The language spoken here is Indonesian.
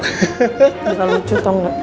bisa lucu tau nggak